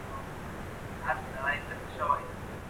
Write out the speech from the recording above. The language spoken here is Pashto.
زه به سبا د موسیقۍ زده کړه کوم وم.